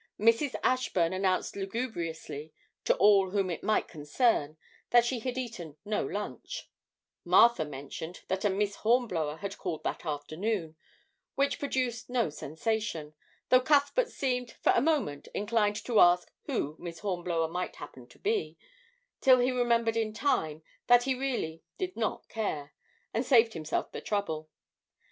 Mrs. Ashburn announced lugubriously to all whom it might concern that she had eaten no lunch; Martha mentioned that a Miss Hornblower had called that afternoon which produced no sensation, though Cuthbert seemed for a moment inclined to ask who Miss Hornblower might happen to be, till he remembered in time that he really did not care, and saved himself the trouble.